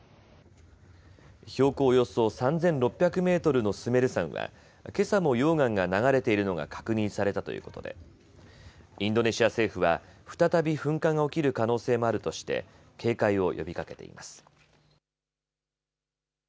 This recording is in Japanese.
標高およそ３６００メートルのスメル山はけさも溶岩が流れているのが確認されたということでインドネシア政府は再び噴火が起きる可能性もあるとして警戒を呼びかけています。